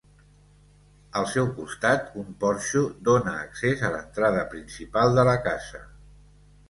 Al seu costat, un porxo dóna accés a l'entrada principal de la casa.